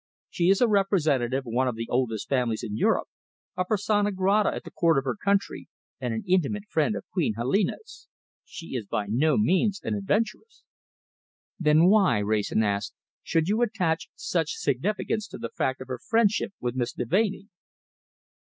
"She is a representative of one of the oldest families in Europe, a persona grata at the Court of her country, and an intimate friend of Queen Helena's. She is by no means an adventuress." "Then why," Wrayson asked, "should you attach such significance to the fact of her friendship with Miss Deveney?"